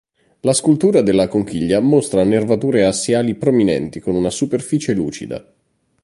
La scultura della conchiglia mostra nervature assiali prominenti con una superficie lucida.